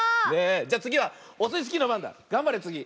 じゃつぎはオスイスキーのばんだ。がんばれつぎ。